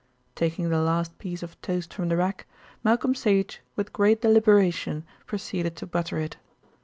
Taking the last piece of toast from the rack, Malcolm Sage with great deliberation proceeded to butter it.